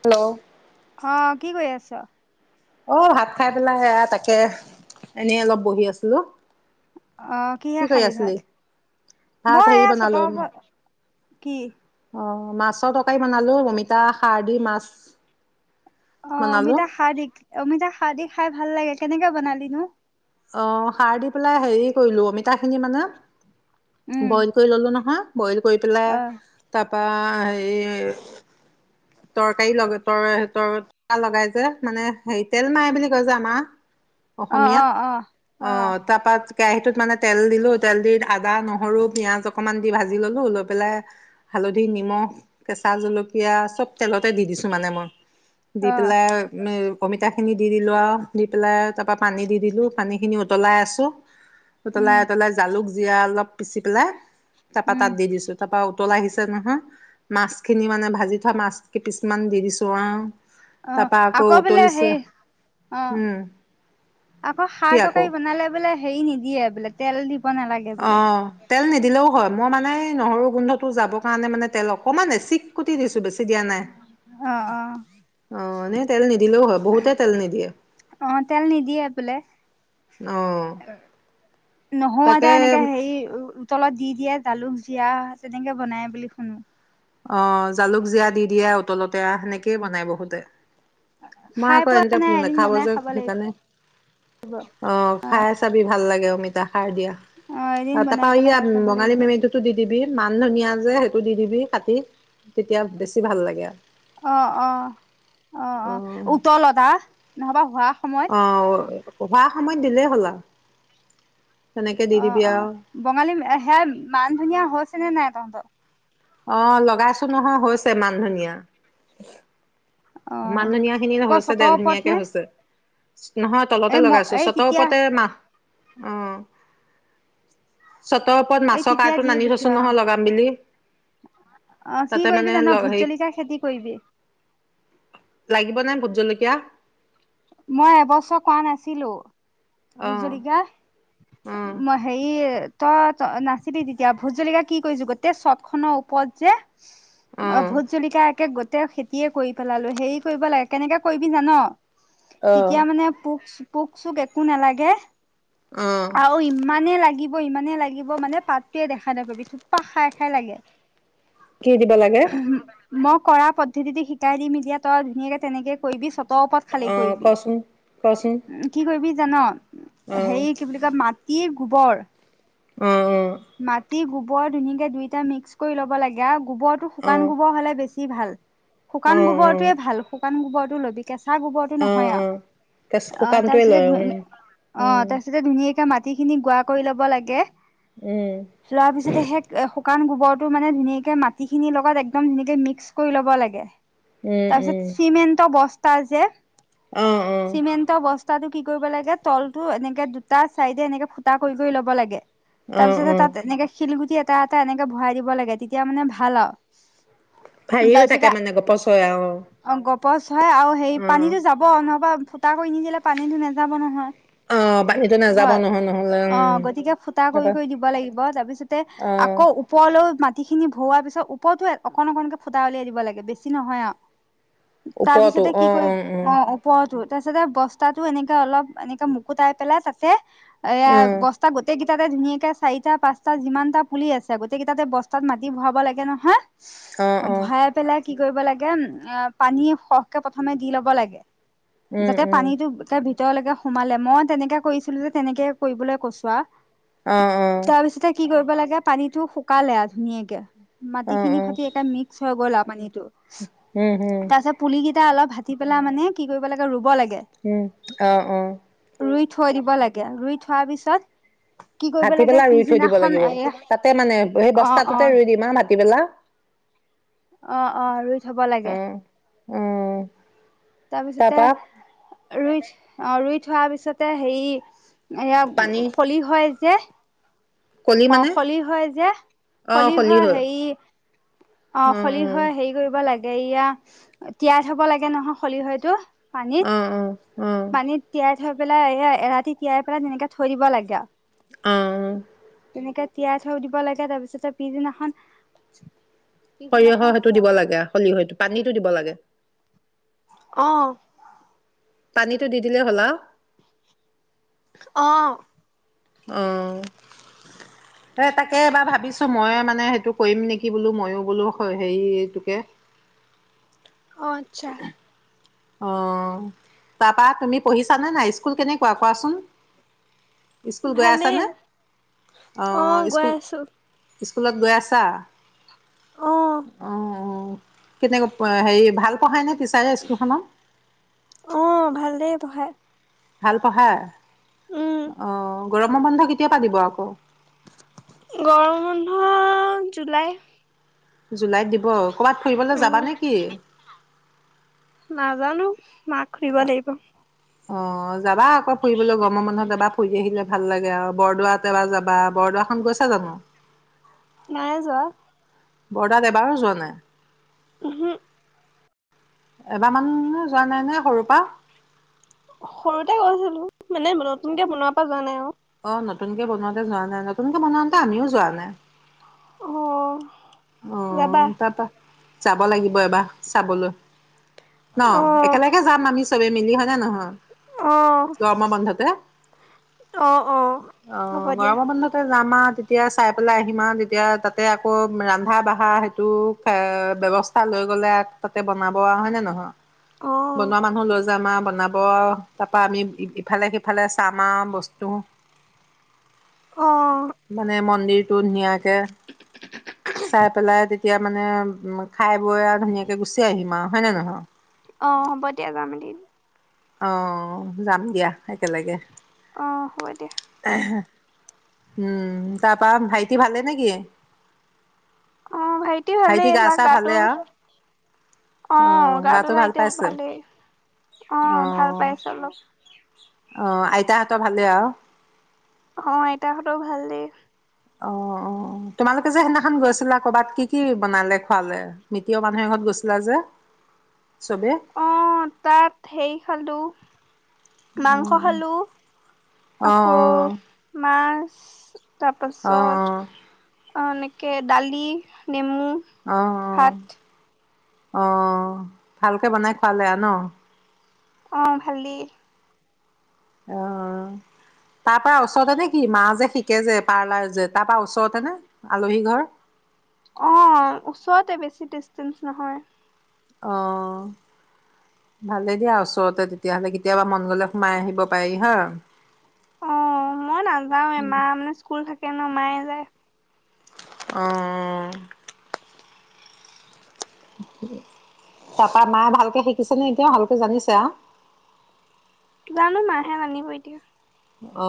Hello অ কি কৰি আছ? অ ভাত খাই পেলাই সেয়া তাকে এনেই অলপ বহি আছিলো। অ কি কিহে কৰি খালী আছিলি ভাত? ভাত মই হেৰি এয়া বনালো ছটৰ উপ কি? অ' মাছৰ তৰকাৰি বনালো। অমিতা খাৰ দি মাছ অ' বনালো অমিতা হাইবিদ- অমিতা হাইবিদ খাই ভাল লাগে। কেনেকে বনালি নো? অ খাৰ দি পেলাই হেৰি কৰিলো অমিতা খিনি মানে উম বইল কৰি ললো নহয়। বইল কৰি পেলাই অ তাৰ পা হেৰি তৰকাৰী লগত তৰ - তৰ - তৰকা লগাই যে মানে হেৰি তেল মাৰে বুলি কয় যে আমাৰ অ' অসমীয়াত অ' অ'। অ' তাৰপা কেৰাহীটোত মানে তেল দিলো। তেল দি আদা নহৰু পিয়াজ অকমান দি ভাজি ললো, লৈ পেলাই হালধি, নিমখ, কেঁচা জলকীয়া, চব তেলত তেলতে দি দিছো মানে মই। দি অ পেলাই অমিতাখিনি দি দিলোঁ আৰু দি পেলাই তাৰপৰা পানী দি দিলোঁ। পানী খিনি উতলাই আছো। উম উতলাই উতলাই জালুক- জিৰা অলপ পিচি পেলাই তাৰ পা উম তাত দি দিছোঁ। তাৰ পা উতলাই আহিছে। তেন্তে নহয় মাছ খিনি মানে ভাজি থোৱা মাছ কিপিছমান দি দিছো আৰু। অ' তাৰপা আকৌ বোলে উতলিছে হেৰি উম অ' আকৌ কি খাৰ আকৌ তৰকাৰী বনালে বোলে হেৰি নিদিয়ে বোলে তেল দি অ'। তেল নিদিলেও হয়। মই মানে নহৰু গোন্ধটো যাবৰ কাৰণে মানে তেল অকমান এচিক কুটি দিছো। বেছি দিয়া নাই। অ অ অ' এনেই তেল নিদিলেও হয়। বহুতে তেল নিদিয়ে। অ তেল নিদিয়ে বোলে অ নহৰু তাকে আদা এনেকে হেৰি তলত দি দিয়ে জালুক, জিৰা। তেনেকে বনাই বুলি শুনো। অ' জালুক জিৰা দি দিয়ে উতলতে অ সেনেকেই বনাই বহুতে। মই খাই আকৌ পোৱা এতে নাই এদিন নেখাব বনাই যে খাব লাগিব সেইকাৰণে। অ' খাই চাবি ভাল লাগে। তাকে অমিতা সাৰ দিয়া। অ', এদিন তাৰাপা বনাই পেলাই ইয়া খাই চাব বঙালী লাগিব। মেমিটোতো দি দিবি। মান ধুনীয়া যে সে টো দি দিবি। কাটি তেতিয়া বেছি ভাল লাগে অ অ' অ'। অ' অ'। উতলতা নহবা হোৱা সময়ত। অভাৰ সময়ত দিলেই হ'ল আৰু। তেনেকে দি দিবি অ' আৰু অ'। বঙালী সেয়া মান ধনীয়া হৈছ ছে নে নাই তহঁতৰ? অ'। লগাইছো নহয় হৈছে মান ধনীয়া। মান অ', ধুনীয়া খিনি ন ক' হৈছে দে চতৰ ওপৰত ধুনীয়াকে নে? হৈছে। নহয় তলতে এই ম লগাইছো এই চতৰ তেতিয়া ওপৰতে মাহ। অহ চতৰ ওপৰত এই মাছৰ তেতিয়া দি কাৰটোণ আনি থৈছো পঠিয়া অ', নহয় লগাম বুলি অ', কি তাতে কৰিবি মানে জান ভোট হেৰী জলকীয়া খেতি কৰিবি। লাগিব নাই ভোট জলকীয়া? মই এবছৰ কোৱা নাছিলো। অ অ ভূতজলকীয়া মই হেৰী, তই ত নাছিলি তেতিয়া ভোতজলকীয়া কি কৰিছো গোটেই চত খনৰ ওপৰত যে। অ ভোত জলকীয়া একে গতি তেওঁ খেতিয়ে কৰি পেলালো হেৰি কৰিব লাগে কেনেকে কৰিবি জান ন? অ তেতিয়া মানে পোক পোক চোক একো নালাগে। অ আৰু ইমানেই লাগিব ইমানেই লাগিব মানে পাতটোৱয়ে দেখা নাপাবি থোপা খাই খাই লাগে। কি দিব লাগে? মই কৰা পদ্ধতিটো শিকাই দিম এতিয়া তই ধুনীয়াকে তেনেকে কৰিবি চব তপৰত খালী অ কৰিবি কচোন কচোন উম কি কৰিবি জান অ সেই কি বুলি কয় মাটি গোবৰ অ অ মাত গক গোবৰ ধুনীয়াকে দুইটা মিক্স কৰি ল'ব লাগে। গা [unintelligible] গোবৰটো অ শুকান গোবৰ'লে বেছি কি ভাল? অ অ শুকান গোবৰটোয়ে ভাল। শুকান গোবৰটো লবি কেঁচা গোবৰটো অ নহয় আৰু অ শুকানটোৱে তাৰপিছতে লয় উম অ উম তাৰ পিছতে ধুনীয়াকে মাটি। গটিখিনি গুোৱা কৰি ল'ব লাগে? উম চোৱাৰ পিছতে সে। কাৰণ গোবৰটো মান ধুনীয়াকে? মাটি খিনি লগত একদম ধুনে মিক্স কৰি ল'ব লাগে। উম তাৰপিছত উম চিমেণ্ট বস্তা? তাৰজে। অ অ চিমে ত বস্তা। ফুটো কি কৰিব লাগে তলতো এনেকে দুটা চাইডে এনেকে ফুটা কৰি কৰি লব লাগে? অ তাৰপিছতে অ তাত এনেকে শিলগুটি। ফুতা এটা এনে বৰাই দিবাগে। এতিয়া মানে ভাল আও। ভাৰি হৈ থাকে মানে গপচৰ কৈ আৰু। পাঁচ। হয় আৰু সেই অ পানীতো যাব নহবা? ফুটাকৈ নিদিলে পানীটো নাযাব নহয়? অ পানীতো নাযাব হয় নহয় নহলে উম অ গতিকে ফুটা কৰি তাৰপা কৰি দিব লাগিব তাৰ পিছতে অ আকৌ ওপৰলৈও মাটি? গুাটি খিনি ভোৱাৰ পিছত ওপৰতো অকন অকনকে ফুটা উলিয়াই দিব লাগে বেছি নহয় আৰু। তাৰ ওপৰতো পিছতে কি অ কৰিম অ ওপৰটোত? তাৰপিছতে বস্তাটো এনেকে অলপ এনেকে মুকুতাই পেলাই তাতে? এয়া অ অ বস্তা গোতেই গ। তাতে ধুনীয়াকে চাৰিটা পাঁচটা যিমানটা পুলি আছে গোটেইকেই তাতে বস্তা? তাত মাটি বৰাব লাগে নহয়? অ অ ভাইয় পেলাই? কি কৰিব লাগে পানী সহকে প্ৰথমে দি ল'ব লাগে? উম যাতে উম পানীতটো এ। তেওঁলকে সোমালে মই তেনেকে কৰিছিলো যে তেনেকে কৰিবলৈ কৈছো আ। অ অ তাৰপিছতে কি কৰিব? লাগে পানীতো শুকালে আছে? ধুনীয়া কে। অ অ মাটিখিনিৰ সৈ একে মিক্স। থৈ গ'লা পানীতো? উম উ এটা অলপ ভাটি পেলা মানে কি কৰিব লাগে ৰুব লাগে? উম অহ অহ। ৰুই থৈ দিব লাগে ৰুই থোৱাৰ পিছত কি কৰিব কাটি লাগে পেলাই ৰুই থৈ দিব পিছদিনাখন লাগিব এ তাতে মানে সেই অ বস্তু অ তাততে ৰুই দিম আবাদ ৰাতি বেলা অ অ ৰুই থব লাগে অ তাৰপিছতে তাৰপা ৰুই অ ৰুই থোৱাৰ পিছতে হেৰি পানী এয়া খলি হয় যে কলি অ মানে খলি হয় যে অ সলি খলি হয় হেৰি অ উম খলি উম হৈ হেৰি কৰিব লাগে গেৰিয়া তিয়াই থব লাগে নহয় ফলি হয়তটো পানীত অ অ অ পানীত তিয়াই থৈ পেলাই এই এৰাতি তিয়াই পেলাই তেনেকে থৈ দিব লাগে আৰু অহ এনেকে তিয়াই থৈ দিব লাগে তাৰ পিছতে পিছদিনাখন পিছদিনাখন সৰিয়হৰ‌ সেইটো দিব লাগে সৰিয়হ পানীত দিব লাগে অহ পানীটো দি দিলে হ'লা অহ অহ এই তাকে এবাৰ ভাবিছো মই মানে সেইটো কৰিম নেকি বোলো মইো বোলো হেৰিটোকে অ আত্ছা অ তাৰপা তুমি পঢ়িছানে নাই স্কুল কেনেকুৱা কোৱাচোন? স্কুল গৈ ভালেই আছানে অ অঁ গৈ স্কুল আছো স্কুলত গৈ আছা? অ অহ অ কেনেকে হেৰি ভাল পঢ়ায় নে টিচাৰে স্কুলখনৰ? অহ ভাল দেই পঢ়াই ভাল উম পঢ়াই অ গৰমৰ বন্ধ কেতিয়া পা দিব আকৌ? গৰম বন্ধ জুলাইত জুলাইত দিব কৰ'বাত ফুৰিবলৈ যাবা নেকি? নাজানো। মাক সুধিব লাগিব। অ যাবা আকৌ ফুৰিবলৈ গৰমৰ বন্ধত যাবা। ফুৰি আহিলে ভাল লাগে আৰু। বৰদোৱাত এবাৰ যাবা। বৰদোৱাখন গৈছা জানো? নাই যোৱা। বৰদোৱাত এবাৰো যোৱা নাই? উহো। এবাৰ মানো যোৱা নাই নে সৰুৰ পৰা? সৰুতে গৈছিলো মানে, নতুনকে বনোৱাৰ পৰা যোৱা নাই আৰু। অ নতুনকে বনোৱাতে যোৱা নাই, নতুনকে বনাওতে আমিও যোৱা নাই। অহ। অহ, তাৰপা যাব লাগিব এবাৰ চাবলৈ। ন অ একেলকে যাম আমি চবে মিলি হয় নে নহয়? অ গৰমৰ বন্ধতে। অহ, অ অ হ'ব দিয়া গৰমৰ বন্ধতে যাম আ তেতিয়া চাই পেলাই আহিম আৰু, তেতিয়া তাতে আকৌ ৰা ৰন্ধা-বাঢ়া সেইটো ব্যৱস্থা লৈ গ'লে তাতে বনাব আৰ, হয় নে নহয়? অ বনোৱা মানুহ লৈ যা যাম আও বনাব আও, তাৰপা আমি ইফালে-সিফালে চাম আৰু বস্তু অ মানে মন [unintelligible] টো নিয়াকে এতিয়া মানে খাই-বৈ আৰু ধুনীয়াকৈ গুচি আহিম আও। হয় নে নহয়? অ হ'ব দিয়া। যাম এদিন। অ', যাম দিয়া একেলগে। অ', হ'ব দিয়া। উম। তাৰপা ভাইটি ভালে নেকি? অ' ভাইটি ভালেই, গা তাৰ চা গাটো, ভালে আৰু অ' গাটো তাৰ এতিয়া ভালেই। অ অঁ, ভাল পাইছে অলপ। অঁ, আইতাহঁতৰ ভালেই আও? অ, আইতাহঁতৰো ভালেই। অ-অ-অ। তোমালোকে যে সেইদিনাখন গৈছিলা কৰ'বাত কি কি বনালে, খোৱালে? মিতিৰৰ মানুহ এঘৰত গৈছিলা যে! চবে অ', তাত সেই খালো মাংস উম খালো, অ', আকৌ অ', মাছ অ', তাৰপাছত অ কে দালি নেমু অ', অ', ভাত অ ভালকে বনাই খোৱালে আৰু ন অ ভালেই অহ তাৰ পৰা ওচৰতে নে কি মা যে শিকে যে পাৰ্লাৰ যে তাৰ পৰা ওচৰতেনে আলহী ঘৰ। অ ওচৰতে বেছি ডিচটেঞ্চ নহয়। অ ভালেই দিয়া ওচৰতে তেতিয়াহ'লে কেতিয়াবা মন গলে সোমাই আহিব পাৰি হয়। অ মই নাযাও এমাহ মানে স্কুল থাকে কিনো মায়ে যায়। অহ তাৰাপা মায়ে ভালকে শিকিছেনে এতিয়া ভালকে জানিছে আও জানো মাহাহে আানিব এতিয়া। অ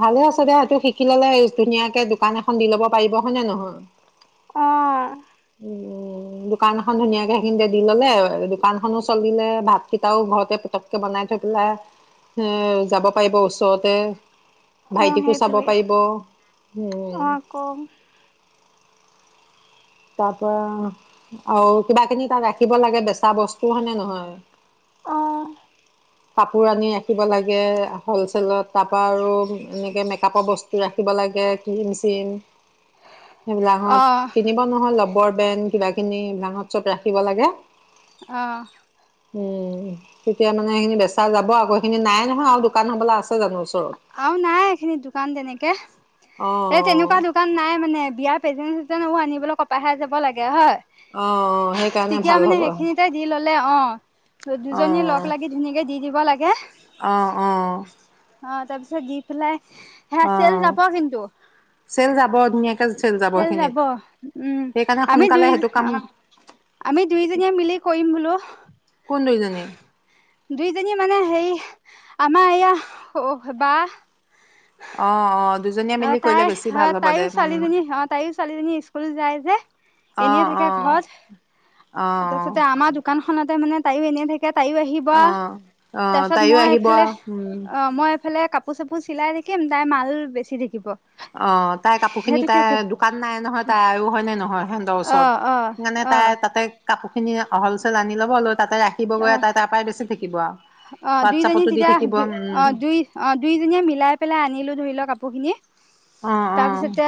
ভালে আছে দে এইটো শিকি ললে ধুনীয়াকে দোকান এখন দি ল'ব পাৰিব হয় নে নহয়। অ দোকান এখন ধুনীয়াকৈ সেইখিনিতে দি ল'লে দোকানখনো চলিলে ভাতকেইটাও ঘৰতে পটককৈ বনাই থৈ পেলাই যাব পাৰিব ওচৰতে অ' ভাইটিকো চাব সেইটোৱে পাৰিব। অ' আকৌ তাৰ পৰা আৰু কিবা কিনি তাত ৰাখিব লাগে বেচা বস্তু হয়নে নহয়। অ' কাপোৰ আনি ৰাখিব লাগে হলছেলত তাৰ পৰা আৰু এনেকে মেকপৰ বস্তু ৰাখিব লাগে কে কিৰিম চিৰিম অ' সেইবিলাকাকত কিনিব নহয় লবৰ কিবা খিনি ভাঙত চত ৰাখিব লাগে। অহ উম তেতিয়া নু মানে সেইিন বেচা যাব আকৌ সখিনি নাই নহয় আৰু দোকান হবলা আছে জানো ওচৰত আৰু নাই এইখিনি দোকান তেনেকে অ এই তেনেকুৱা দোকান নাই মানে বিয়াত প্ৰেজেন চি আনিবলৈ কপাহে যাব লাগে হয়। অ অ সেইকাৰণে তেতিয়া ভাল মানে হ'ব সেইখিনিতে দি ললে অ দুজনী লগ লাগি ধুনীয়াকে দি দিব লাগে কে অহ অহ অ তাৰ পিছত দিপে লাই অ চেল যাব ধুনীয়াকে চেল তেল সেইখিনিত যাব উম সেইকাৰণে আমি সোনকালে দুই সেইটো কাম অ আমি দুইজনীয়ে মিলি কৰিম বোলো। কোন দুইজনী দুইজনী মানে সেইৰি আম আয়া বা অ অ দুজনীয়ে অ মিলি কৰিলে তাই বেছি অ ভাল হ'ব তাইো দে উম ছোৱালীজনী অ তাইো ছোৱালীজনী স্কুল যায় যে অ এনে অ থাকে ঘৰত অ তাছতে আমাৰ দোকান । দুকাখনতে মানে তাইও এনেই থাকে । তাইও আহিবা অ অ তাৰপিছত তাইও মই আহিব এইফালে আৰু উম অ মই । ইফালে কাপোৰ চাপোৰ চিলাই থাকিম তাই মাল বেছি । কি দেখিব । অ তাইৰ কাপোৰ খিনি তাইৰ দোকান নাই নহয় তাইয়ো হয় নে নহয় সিহঁতৰ অ ওচৰত অ সেইকাৰণে অ তাই তাতে। কাপোৰ খিনি হল চেল আনি ল'ব লৈ। তাতে অ ৰাখিবগৈ তাই তাৰ পৰাই বেছি থাকিব আৰু। অ দুইজনী হোৱাটছআপতো দি তেতিয়া থাকিব দুই উম, অ দুই অ দুইজনীয়ে মিলাই পেলাই আনিলো ধৰি লওক আ । পহনীয়ে। অ', অ', তাৰপিছতে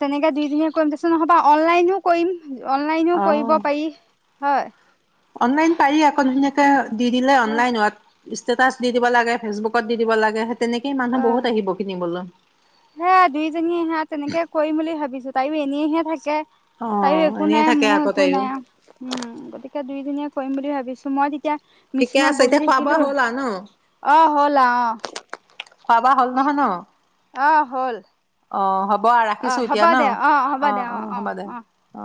তেনেকে। দুইজনীয়ে কৰিম পিছত হ'ব অনলাইনো কৰিম। অনলাইনও কৰিব অ'। পাৰি। হয় অনলাইন পাৰি আক ধুনিয়াকে । দি দিলে অ', অনলাইন ইচ ইষ্টেটাছ দি দিব লাগে ফেচবুকত। দি দিব লাগেহেঁতেন। সেই মানুহ বহুত আহিব কিনিবলৈ। হে দুইজনীয়ে হে তেনেকে কৰিম বুলি ভাবিছো তাইয়ো এ । এনেইহে থাকে। তাইও অ', একো এনেই নাই থাকে মোৰ আকৌ একো তাইও নাই উম গতিকে। তাকে দুইজনীয়ে কৰিম বুলি ভাবিছো মই তেতিয়া ঠিকে মিচিনত আছে বহি এতিয়া খোৱা বোৱা থাকিলো হ'ল আও ন অ', হ'ল অ', খোৱা বোৱা হ'ল নহয় ন। অ', হল । অ হ'ব। হ'ব ৰাখিছো এতিয়া ন অ অ হ'ব দে অ।